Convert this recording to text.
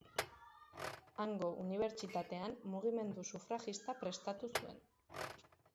Hango unibertsitatean mugimendu sufragista prestatu zuen.